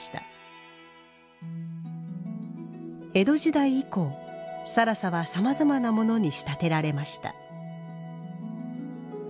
江戸時代以降更紗はさまざまなものに仕立てられました